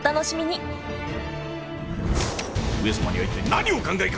上様には一体何をお考えか。